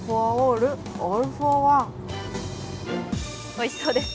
おいしそうです。